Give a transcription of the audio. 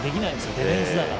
ディフェンスだから。